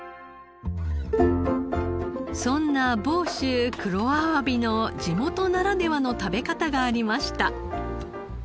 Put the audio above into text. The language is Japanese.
そんな房州黒あわびの地元ならではの食べ方がありました。